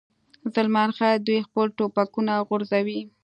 زلمی خان: دوی خپل ټوپکونه غورځوي.